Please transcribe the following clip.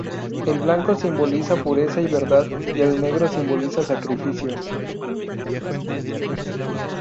El blanco simboliza pureza y verdad, y el negro simboliza sacrificio.